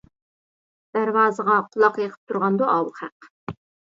دەرۋازىغا قۇلاق يېقىپ تۇرغاندۇ ئاۋۇ خەق.